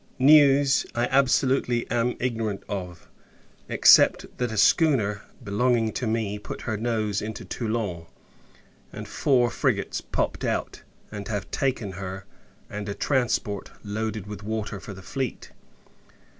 News, I absolutely am ignorant of: except, that a schooner, belonging to me, put her nose into Toulon; and four frigates popped out, and have taken her, and a transport loaded with water for the fleet.